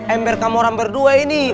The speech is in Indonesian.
ember kamu orang berdua ini